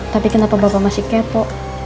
tapi kenapa bapak masih kepo